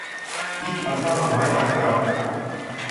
Ит ашама, май аша!